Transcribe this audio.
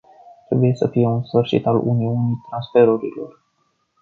Trebuie să fie un sfârșit al uniunii transferurilor.